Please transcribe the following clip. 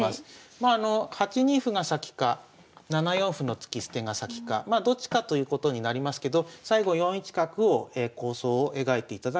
まあ８二歩が先か７四歩の突き捨てが先かまあどっちかということになりますけど最後４一角を構想を描いていただければとがめられると。